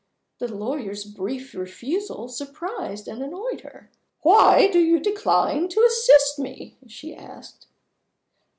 The lawyer's brief refusal surprised and annoyed her. "Why do you decline to assist me?" she asked.